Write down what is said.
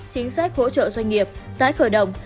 chính sách hỗ trợ doanh nghiệp tái khởi động